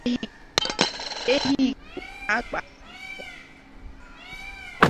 Ehi Igbo na-agbasi ike